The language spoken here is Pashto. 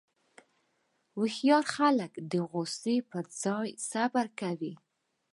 هوښیار خلک د غوسې پر ځای صبر کوي.